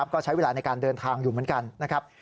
ก็ใช้เวลาในการเดินทางอยู่เหมือนกันนะครับ